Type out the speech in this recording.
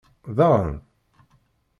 Daɣen?